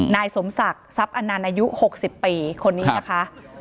นายสมศักดิ์ทรัพย์อนันต์อายุ๖๐ปีคนนี้นะคะ